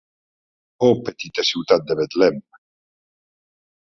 Oh petita ciutat de Betlem.